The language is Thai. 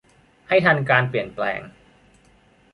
ให้ทันการเปลี่ยนแปลง